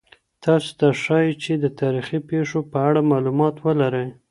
تاسو ته ښایي چي د تاریخي پېښو په اړه معلومات ولرئ.